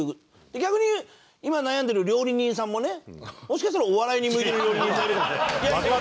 逆に今悩んでる料理人さんもねもしかしたらお笑いに向いてる料理人さんもいるかも。